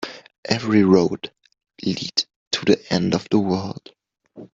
Every road leads to the end of the world.